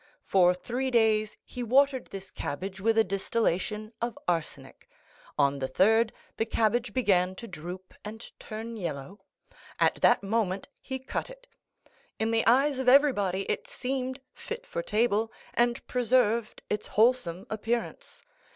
For three days he watered this cabbage with a distillation of arsenic; on the third, the cabbage began to droop and turn yellow. At that moment he cut it. In the eyes of everybody it seemed fit for table, and preserved its wholesome appearance.